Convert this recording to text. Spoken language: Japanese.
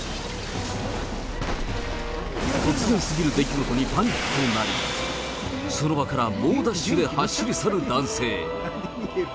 突然すぎる出来事にパニックになり、その場から猛ダッシュで走り去る男性。